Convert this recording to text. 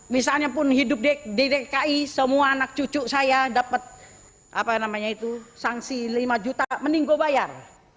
misalnya pun hidup di dki semua anak cucu saya dapet apa namanya itu sanksi lima juta mending gue bayar